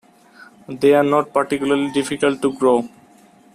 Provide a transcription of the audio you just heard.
They are not particularly difficult to grow.